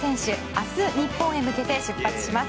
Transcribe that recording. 明日、日本へ向けて出発します。